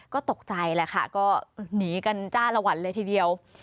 ก็ตกใจแหละค่ะก็หนีกันจ้าละวันเลยทีเดียว